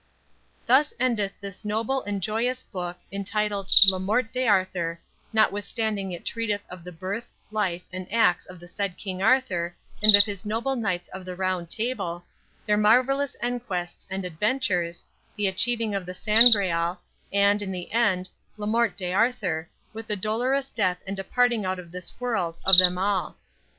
Thus endeth this noble and joyous book, entitled "La Morte d'Arthur;" notwithstanding it treateth of the birth, life, and acts of the said King Arthur, and of his noble Knights of the Round Table, their marvellous enquests and adventures, the achieving of the Sangreal, and, in the end, le Morte d'Arthur, with the dolorous death and departing out of this world of them all.